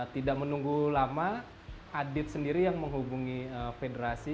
tidak menunggu lama adit sendiri yang menghubungi federasi